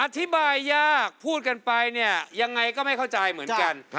อธิบายยากพูดกันไปเนี่ยยังไงก็ไม่เข้าใจเหมือนกัน